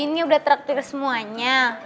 ini udah traktir semuanya